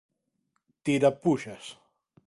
Tirapuxas